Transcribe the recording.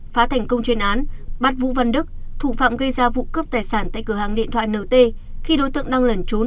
phá thành công chuyên án bắt vũ văn đức thủ phạm gây ra vụ cướp tài sản tại cửa hàng điện thoại nt khi đối tượng đang lẩn trốn